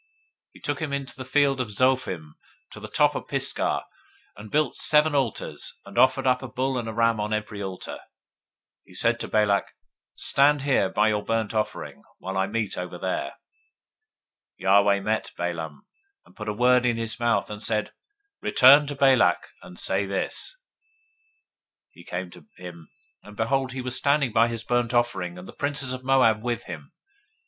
023:014 He took him into the field of Zophim, to the top of Pisgah, and built seven altars, and offered up a bull and a ram on every altar. 023:015 He said to Balak, Stand here by your burnt offering, while I meet [Yahweh] yonder. 023:016 Yahweh met Balaam, and put a word in his mouth, and said, Return to Balak, and thus shall you speak. 023:017 He came to him, and behold, he was standing by his burnt offering, and the princes of Moab with him.